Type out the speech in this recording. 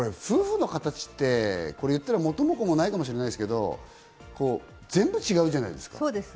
これ、だから、先生、夫婦の形って言ったら元も子もないかもしれませんけど、全部違うじゃないですか。